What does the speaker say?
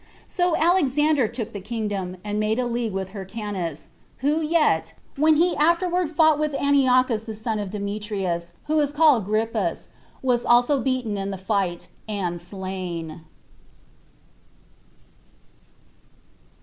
So Alexander took the kingdom, and made a league with Hyrcanus, who yet, when he afterward fought with Antiochus the son of Demetrius, who was called Grypus, was also beaten in the fight, and slain.